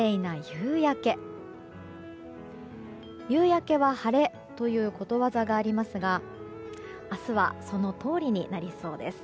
夕焼けは晴れということわざがありますが明日はそのとおりになりそうです。